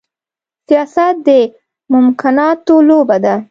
سياست د ممکناتو لوبه ده.